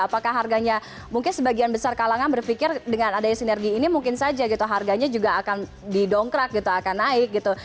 apakah harganya mungkin sebagian besar kalangan berpikir dengan adanya sinergi ini mungkin saja gitu harganya juga akan didongkrak gitu akan naik gitu